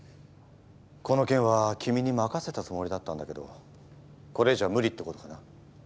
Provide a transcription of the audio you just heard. この件は君に任せたつもりだったんだけどこれ以上は無理ってことかな？